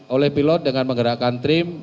oleh pilot dengan menggerakkan trim